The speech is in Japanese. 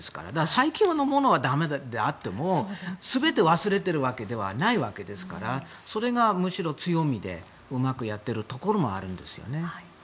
最近のものは駄目であっても全て忘れているわけではないわけですからそれがむしろ強みでうまくやっているところもあるんですよね。